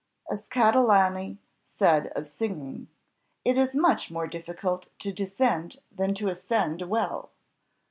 As Catalani said of singing, it is much more difficult to descend than to ascend well.